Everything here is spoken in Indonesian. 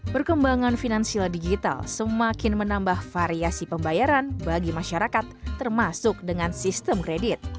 perkembangan finansial digital semakin menambah variasi pembayaran bagi masyarakat termasuk dengan sistem kredit